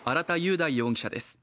大容疑者です